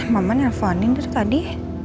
mama nyelponin tuh tadi